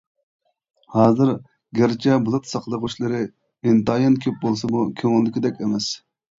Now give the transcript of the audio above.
ھازىر گەرچە بۇلۇت ساقلىغۇچلىرى ئىنتايىن كۆپ بولسىمۇ كۆڭۈلدىكىدەك ئەمەس.